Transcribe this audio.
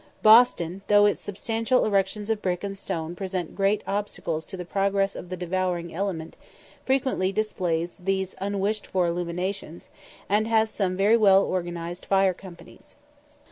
Boston, though its substantial erections of brick and stone present great obstacles to the progress of the devouring element, frequently displays these unwished for illuminations, and has some very well organized fire companies.